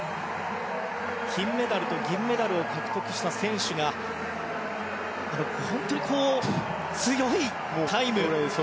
金メダルと銀メダルを獲得した選手が本当に強いタイムです。